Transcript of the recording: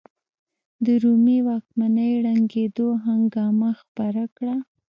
د رومي واکمنۍ ړنګېدو هنګامه خپره کړه.